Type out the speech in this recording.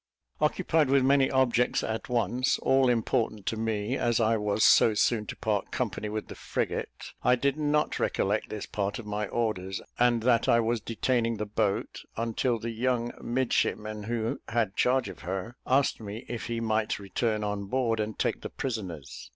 Occupied with many objects at once, all important to me, as I was so soon to part company with the frigate, I did not recollect this part of my orders, and that I was detaining the boat, until the young midshipman who had charge of her asked me if he might return on board and take the prisoners.